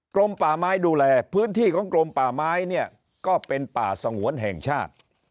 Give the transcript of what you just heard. กรมป่าไม้ดูแลพื้นที่ของกรมป่าไม้เนี่ยก็เป็นป่าสงวนแห่งชาติ